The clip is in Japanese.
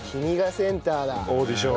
オーディション。